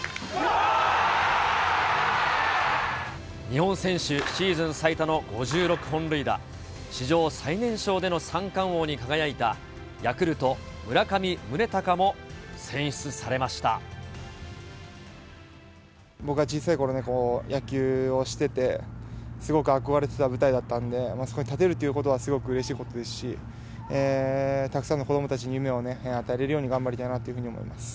日本選手シーズン最多の５６本塁打、史上最年少での三冠王に輝いた、ヤクルト、僕が小さいころに野球をしてて、すごく憧れてた舞台だったんで、そこに立てるってことはすごくうれしいことですし、たくさんの子どもたちに夢を与えれるように頑張りたいなというふうに思います。